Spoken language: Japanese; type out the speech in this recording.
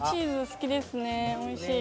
おいしい。